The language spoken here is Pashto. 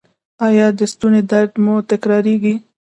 ایا د ستوني درد مو تکراریږي؟